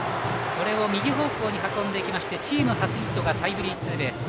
これを右方向に運んでいきましてチーム初ヒットがタイムリーツーベース。